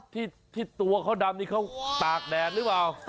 ที่ตัวเขาดำนี่เขาตากแดดหรือเปล่า